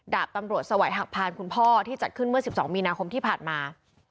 ดาบตำรวจสวัยหักพานคุณพ่อที่จัดขึ้นเมื่อ๑๒มีนาคมที่ผ่านมา